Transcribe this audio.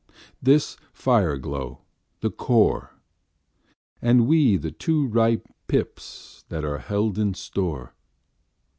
This fire glow, the core, And we the two ripe pips That are held in store.